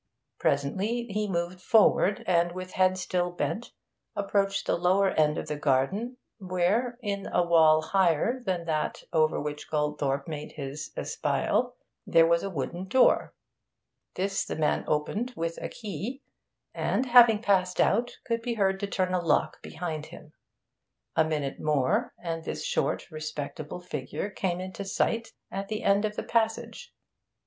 Presently he moved forward, and, with head still bent, approached the lower end of the garden, where, in a wall higher than that over which Goldthorpe made his espial, there was a wooden door. This the man opened with a key, and, having passed out, could be heard to turn a lock behind him. A minute more, and this short, respectable figure came into sight at the end of the passage.